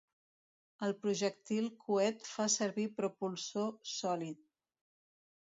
El projectil coet fa servir propulsor sòlid.